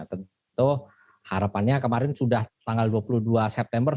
tentu harapannya kemarin sudah tanggal dua puluh dua september